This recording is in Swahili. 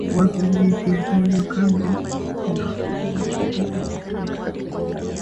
wazo jipya Hivyo kadri unavyoomba ndivyo ufunuo